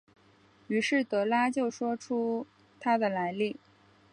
于是德拉就说出他的来历。